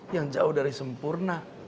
yang jauh dari sempurna